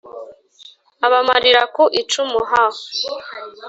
abamarira ku icumu ha!